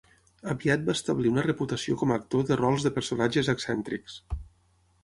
Aviat va establir una reputació com a actor de rols de personatges excèntrics.